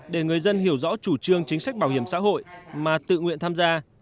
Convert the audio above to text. để người dân hiểu rõ chủ trương chính sách bảo hiểm xã hội mà tự nguyện tham gia